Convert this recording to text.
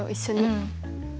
うん。